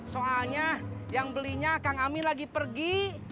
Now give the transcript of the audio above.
soalnya yang belinya kang amil lagi pergi